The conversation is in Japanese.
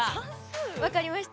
分かりました。